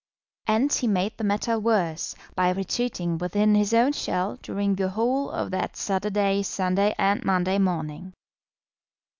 And he made the matter worse by retreating within his own shell during the whole of that Saturday, Sunday, and Monday morning.